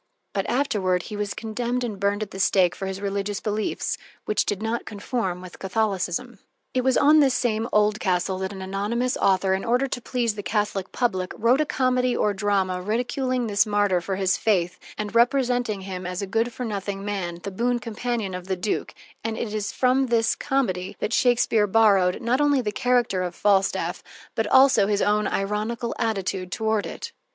But afterward he was condemned and burned at the stake for his religious beliefs, which did not conform with Catholicism. It was on this same Oldcastle that an anonymous author, in order to please the Catholic public, wrote a comedy or drama, ridiculing this martyr for his faith and representing him as a good for nothing man, the boon companion of the duke, and it is from this comedy that Shakespeare borrowed, not only the character of Falstaff, but also his own ironical attitude toward it.